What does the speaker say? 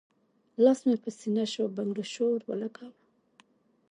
لاس مې پۀ سينه شو بنګړو شور اولګوو